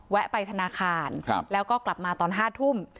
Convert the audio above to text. ไปธนาคารแล้วก็กลับมาตอน๕ทุ่ม